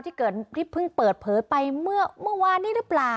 ที่เกิดที่เพิ่งเปิดเผยไปเมื่อวานนี้หรือเปล่า